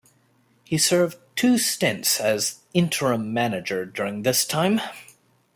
He served two stints as interim manager during this time.